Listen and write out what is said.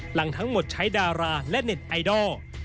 หลังทั้งหมดใช้ดาราและเน็ตไอดอล